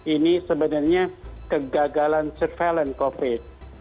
ini sebenarnya kegagalan surveillance covid